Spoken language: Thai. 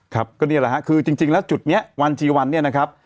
ครับก็นี่แหละฮะคือจริงแล้วจุดนี้วันจีวันเนี่ยนะครับ